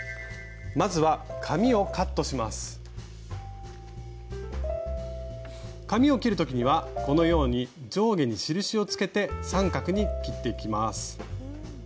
まずは紙を切る時にはこのように上下に印をつけて三角に切っていきます。